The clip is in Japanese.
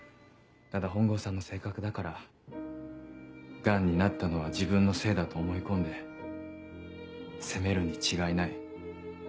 ただ本郷さんの性格だからガンになったのは自分のせいだと思い込んで責めるに違いない。